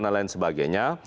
dan lain sebagainya